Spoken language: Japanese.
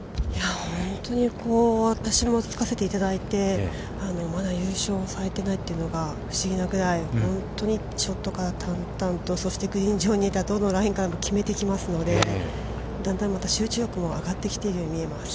◆本当にこう、私もつかせていただいて、まだ優勝をされてないというのが不思議なぐらい、本当にショットから淡々と、そしてグリーン上にどのラインからも決めてきますので、どんどん集中力も上がってきているように見えます。